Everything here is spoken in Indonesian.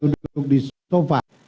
duduk di sofa